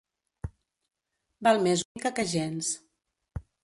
Val més una mica que gens.